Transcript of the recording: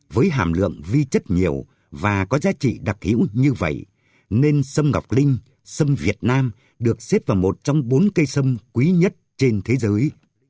với hàm lượng vi chất nhiều và có giá trị đặc hữu như vậy nên sâm ngọc linh sâm việt nam được xếp vào một trong bốn cây sâm quý nhất trên thế giới